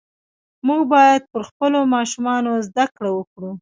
موږ باید پر خپلو ماشومانو زده کړه وکړو .